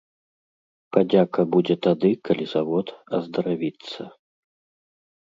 Падзяка будзе тады, калі завод аздаравіцца.